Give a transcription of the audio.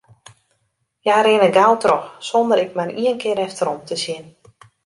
Hja rinne gau troch, sonder ek mar ien kear efterom te sjen.